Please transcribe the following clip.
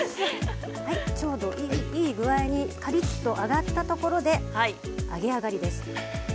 ちょうどいい具合にカリっと揚がったところで揚げ上がりです。